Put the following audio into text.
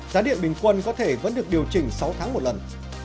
giá điện bình quân có thể vẫn được điều chỉnh sáu tháng một lần